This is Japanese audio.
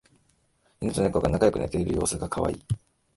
イヌとネコが仲良く寝ている様子がカワイイ